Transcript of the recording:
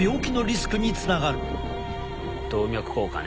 動脈硬化ね。